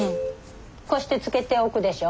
こうして漬けておくでしょ？